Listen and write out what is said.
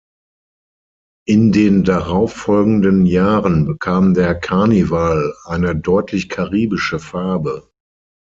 In den darauffolgenden Jahren bekam der Carnival eine deutlich karibische Farbe.